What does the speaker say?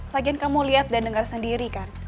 lagian kamu lihat dan dengar sendiri kan